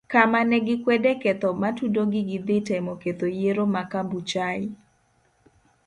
Kamane gikwede ketho matudogi gi dhi temo ketho yiero ma kabuchai.